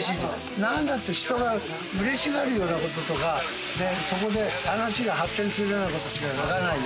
なんだって人がうれしがるようなこととか、話が発展するようなことしか書かないよ。